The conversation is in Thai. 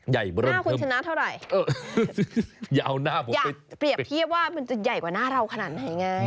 ใหญ่บ้างหน้าคุณชนะเท่าไหร่อย่าเปรียบเทียบว่ามันจะใหญ่กว่าหน้าเราขนาดไหนไง